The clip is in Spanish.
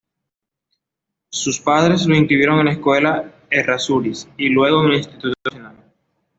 Sus padres lo inscribieron en la Escuela Errázuriz y luego en el Instituto Nacional.